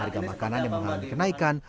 harga makanan yang mengalami kenaikan